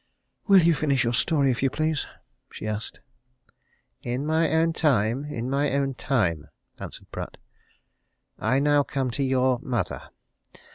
"Will you finish your story, if you please?" she asked. "In my own way in my own time," answered Pratt. "I now come to your mother.